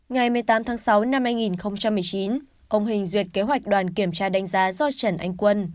ngày một mươi tám tháng sáu năm hai nghìn một mươi chín ông huỳnh duyệt kế hoạch đoàn kiểm tra đánh giá do trần anh quân